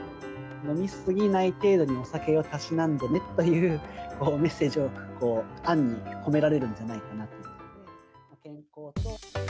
飲み過ぎない程度にお酒をたしなんでねっていうメッセージを暗に込められるんじゃないかなと。